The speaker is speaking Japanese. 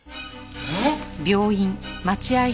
えっ！？